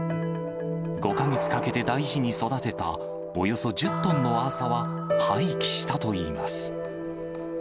５か月かけて大事に育てたおよそ１０トンのアーサは、廃棄したといいます。